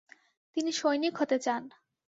তিনি সৈনিক হতে চান।